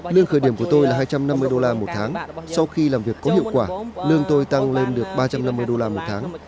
lương khởi điểm của tôi là hai trăm năm mươi đô la một tháng sau khi làm việc có hiệu quả lương tôi tăng lên được ba trăm năm mươi đô la một tháng